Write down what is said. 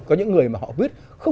có những người mà họ viết